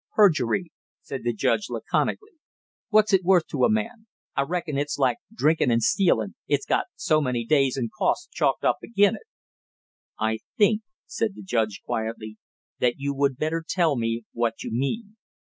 "Perjury," said the judge laconically. "What's it worth to a man? I reckon it's like drinkin' and stealin', it's got so many days and costs chalked up agin it?" "I think," said the judge quietly, "that you would better tell me what you mean.